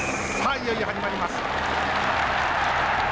いよいよ始まります。